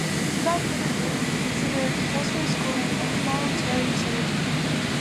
Some libertarians consider compulsory schooling involuntary servitude.